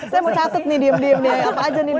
saya mau catet nih diem diem deh apa aja nih di rumah